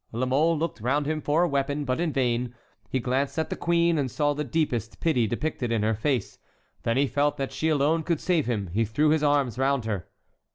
La Mole looked round him for a weapon, but in vain; he glanced at the queen, and saw the deepest pity depicted in her face; then he felt that she alone could save him; he threw his arms round her.